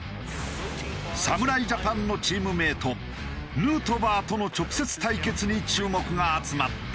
侍ジャパンのチームメイトヌートバーとの直接対決に注目が集まった。